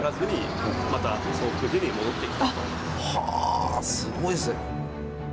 はあすごいですね。